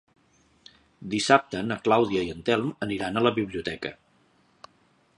Dissabte na Clàudia i en Telm aniran a la biblioteca.